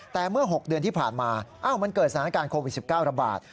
แต่เมื่อ๖เดือนที่ผ่านมามันเกิดสถานการณ์โควิด๑๙ระบาด